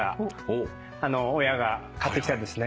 親が買ってきたんですね。